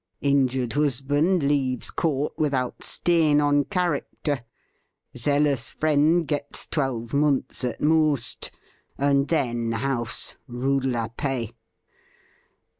Injured husband leaves court without stain on character — zealous friend gets twelve months at most — and then house Rue de la Paix